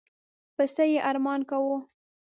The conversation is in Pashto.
پسي یې ارمان کاوه.